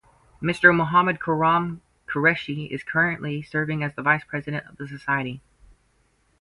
Mr Mohammad Khurram Qureshi is currently serving as the Vice President of the society.